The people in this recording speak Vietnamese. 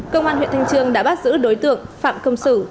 công an huyện thanh trương đã bắt giữ đối tượng phạm công sử